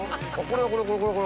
これこれ。